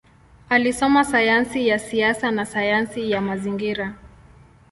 Alisoma sayansi ya siasa na sayansi ya mazingira.